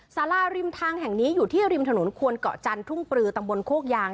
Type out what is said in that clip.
สาราริมทางแห่งนี้อยู่ที่ริมถนนควนเกาะจันทร์ทุ่งปลือตำบลโคกยาง